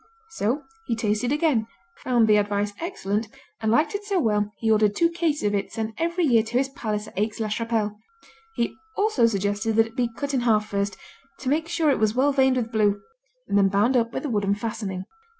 So he tasted again, found the advice excellent and liked it so well he ordered two caisses of it sent every year to his palace at Aix la Chapelle. He also suggested that it be cut in half first, to make sure it was well veined with blue, and then bound up with a wooden fastening.